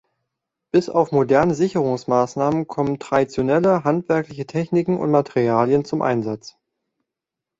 Bis auf moderne Sicherungsmaßnahmen kommen traditionelle handwerkliche Techniken und Materialien zum Einsatz.